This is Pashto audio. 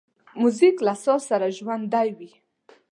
موزیک له ساز سره ژوندی وي.